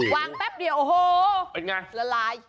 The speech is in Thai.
วางแป๊บเดี๋ยวโอ้โหละลาย